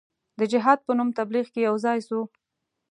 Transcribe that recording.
د جهاد په نوم تبلیغ کې یو ځای سو.